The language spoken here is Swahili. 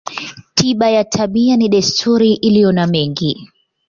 Tiba ya tabia ni desturi iliyo na mengi.